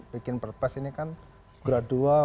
bikin perpres ini kan gradual